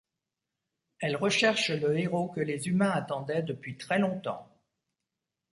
Elle recherche le héros que les humains attendaient depuis très longtemps.